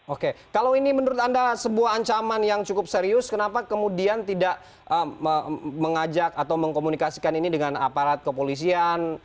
oke kalau ini menurut anda sebuah ancaman yang cukup serius kenapa kemudian tidak mengajak atau mengkomunikasikan ini dengan aparat kepolisian